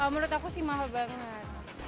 menurut aku sih mahal banget